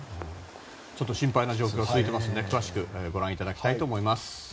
ちょっと心配な状況が続いているので詳しくご覧いただきたいと思います。